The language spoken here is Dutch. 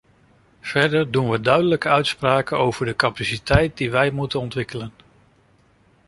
Verder doen we duidelijke uitspraken over de capaciteiten die we moeten ontwikkelen.